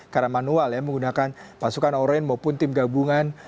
karena manual ya menggunakan pasukan orien maupun tim gabungan